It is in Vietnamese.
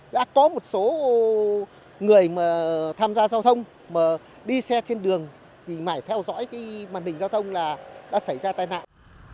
đã có một số người mà tham gia giao thông mà đi xe trên đường thì phải theo dõi cái màn hình giao thông là đã xảy ra tai nạn